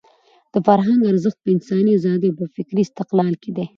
د فرهنګ ارزښت په انساني ازادۍ او په فکري استقلال کې دی.